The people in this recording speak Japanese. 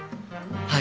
はい。